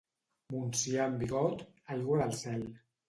Montsià en bigot, aigua del cel.